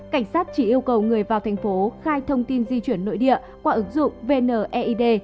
cảnh sát chỉ yêu cầu người vào thành phố khai thông tin di chuyển nội địa qua ứng dụng vneid